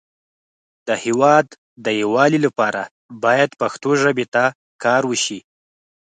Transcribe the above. د هیواد د یو والی لپاره باید پښتو ژبې ته کار وشی